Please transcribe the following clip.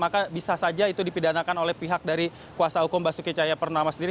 maka bisa saja itu dipidanakan oleh pihak dari kuasa hukum basuki cahaya purnama sendiri